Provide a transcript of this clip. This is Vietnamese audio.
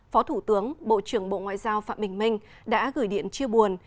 phó thủ tướng bộ trưởng bộ ngoại giao phạm bình minh đã gửi điện chia buồn